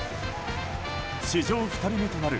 史上２人目となる